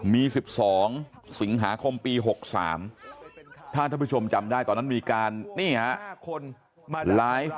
มี๑๒สิงหาคมปี๖๓ถ้าท่านผู้ชมจำได้ตอนนั้นมีการนี่ฮะไลฟ์